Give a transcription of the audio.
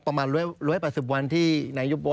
ประมาณ๑๘๐วันที่นายน้ายก็บอก